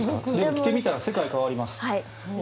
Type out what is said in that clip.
着てみたら世界が変わります。